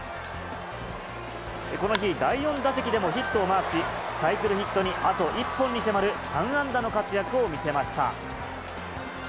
この日、第４打席でもヒットをマークし、サイクルヒットにあと１本に迫る３安打の活躍を見せました。